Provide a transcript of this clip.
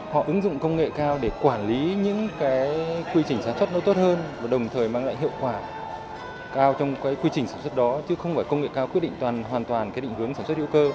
họ ứng dụng công nghệ cao để quản lý những cái quy trình sản xuất nó tốt hơn và đồng thời mang lại hiệu quả cao trong cái quy trình sản xuất đó chứ không phải công nghệ cao quyết định toàn hoàn toàn cái định hướng sản xuất hữu cơ